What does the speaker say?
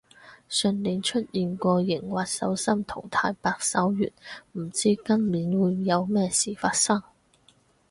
上年出現過熒惑守心同太白守月，唔知今年會有咩事發生